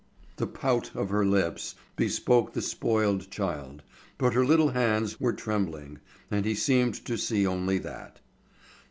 The pout on her lips bespoke the spoiled child, but her little hands were trembling, and he seemed to see only that.